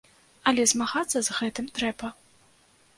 Але змагацца з гэтым трэба.